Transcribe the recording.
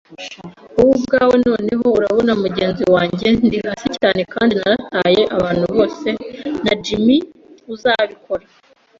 wowe ubwawe. Noneho urabona, mugenzi wanjye, Ndi hasi cyane, kandi narataye abantu bose; na Jim, uzabikora